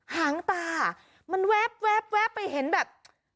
หางตามันแว๊บไปเห็นแบบ